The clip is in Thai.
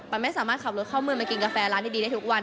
มันไม่สามารถขับรถเข้าเมืองมากินกาแฟร้านดีได้ทุกวัน